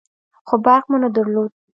خو برق مو نه درلود.